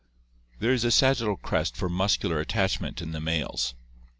There is a sagittal crest for muscular at tachment in the males.